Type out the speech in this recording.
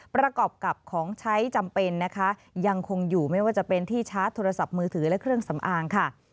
ประกอบกับของใช้จำเป็นนะคะยังคงอยู่ไม่ว่าจะเป็นที่ชาร์จโทรศัพท์มือถือและเครื่องสำอางค่ะ